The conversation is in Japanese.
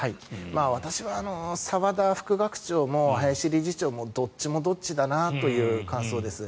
私は澤田副学長も林理事長もどっちもどっちだなという感想です。